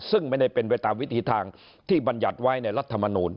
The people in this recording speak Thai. ซึ่งไม่ได้เป็นไปตามวิถีทางที่บรรยัติไว้ในรัฐมนูล